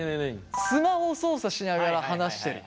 「スマホ操作しながら話してる」。